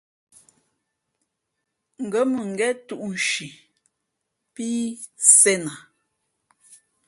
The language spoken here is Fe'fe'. Ngα̌ mʉngén tūꞌ nshi pí sēn a.